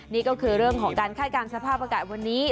นี่ก็คือเรื่องของการคาดการณ์สภาพอากาศวันนี้